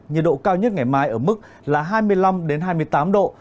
nhiệt độ cao nhất ngày mai ở mức là hai mươi năm hai mươi tám độ